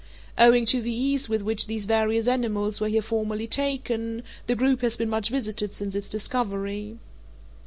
Owing to the ease with which these various animals were here formerly taken, the group has been much visited since its discovery.